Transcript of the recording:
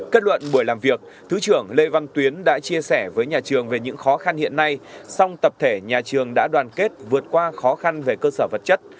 kết luận buổi làm việc thứ trưởng lê văn tuyến đã chia sẻ với nhà trường về những khó khăn hiện nay song tập thể nhà trường đã đoàn kết vượt qua khó khăn về cơ sở vật chất